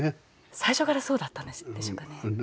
最初からそうだったんでしょうかね。